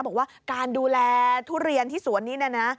บอกว่าการดูแลทุเรียนที่สวนนี้เนี่ยนะ